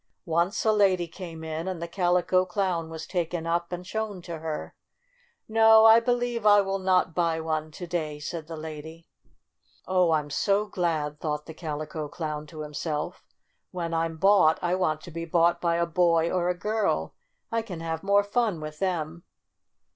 Once a lady came in, and the Calico Clown was taken up and shown to her. THE LITTLE GIRL 33 "No, I believe I will not buy one to day," said the lady. "Oh, I'm so glad!" thought the Calico Clown to himself. "When I'm bought I want to be bought by a boy or a girl. I can have more fun with them."